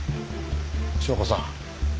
祥子さん。